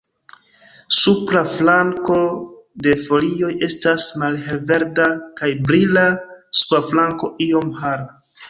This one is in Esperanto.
Supra flanko de folioj estas malhelverda kaj brila, suba flanko iom hara.